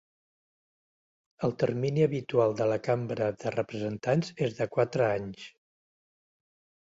El termini habitual de la Cambra de Representants és de quatre anys.